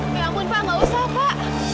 ya ampun pak nggak usah pak